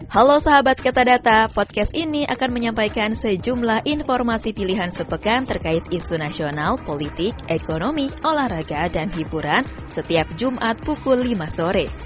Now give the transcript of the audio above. halo sahabat kata podcast ini akan menyampaikan sejumlah informasi pilihan sepekan terkait isu nasional politik ekonomi olahraga dan hiburan setiap jumat pukul lima sore